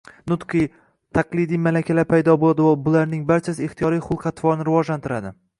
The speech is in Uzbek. nutqiy, taqlidiy malakalar paydo bo‘ladi va bularning barchasi ixtiyoriy xulq-atvorni rivojlantiradi.